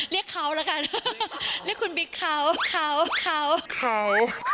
เรียกเขาล่ะค่ะเรียกคุณบิ๊กเขาเขาเขาเขา